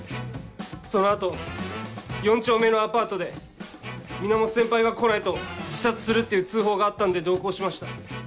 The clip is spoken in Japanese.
その後４丁目のアパートで源先輩が来ないと自殺するって通報があったんで同行しました。